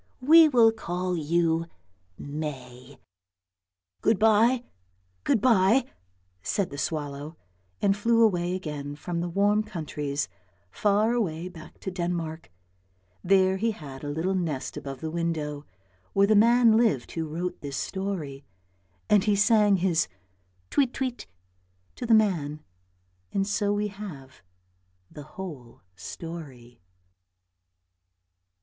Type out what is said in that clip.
We will call you May." " Good bye, good bye," said the swallow, and flew away again from the warm countries, far away back to Denmark; there he had a little nest above the window where the man lived who wrote this story, and he sang his " tweet, tweet " to the man, and so we have the whole story.